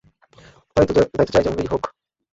চাই তা যেভাবেই হোক।